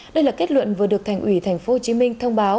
đây là kết luận vừa được thành ủy tp hcm thông báo